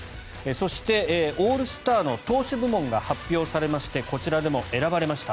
そして、オールスターの投手部門が発表されましてこちらでも選ばれました。